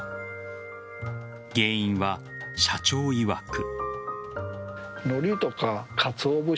原因は、社長いわく。